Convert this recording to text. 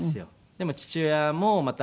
でも父親もまた。